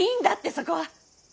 そこは！